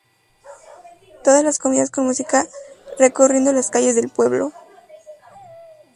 Todos las comidas con música recorriendo las calles del pueblo.